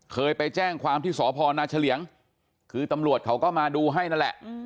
เคยไปแจ้งความที่สพนาเฉลี่ยงคือตำรวจเขาก็มาดูให้นั่นแหละ